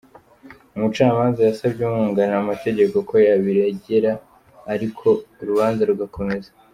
Umucamanza yasabye umwunganira mu mategeko ko yabiregera, ariko urubanza rugakomeza.